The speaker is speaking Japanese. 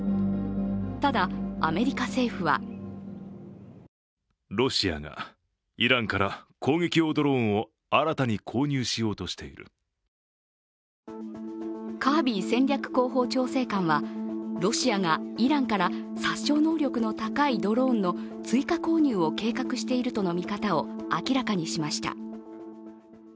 ただ、アメリカ政府はカービー戦略広報調整官はロシアがイランから殺傷能力の高いドローンの追加購入を計画しているとの見方を明らかにしました。